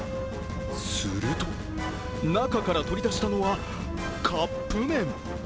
すると、中から取りだしたのはカップ麺！